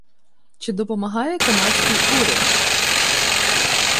Чи допомагає канадський уряд?